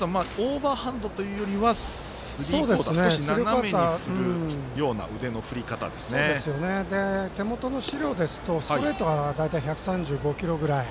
オーバーハンドというよりはスリークオーター斜めに振るような手元の資料ですとストレートが大体１３５キロぐらい。